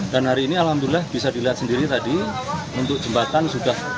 dan hari ini alhamdulillah bisa dilihat sendiri tadi untuk jembatan sudah selesai